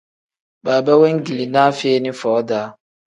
Baaba wengilinaa feeni foo-daa.